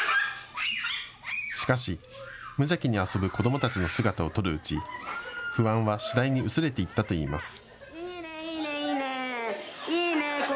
しかし無邪気に遊ぶ子どもたちの姿を撮るうち不安は次第に薄れていったと言います。